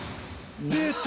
出た！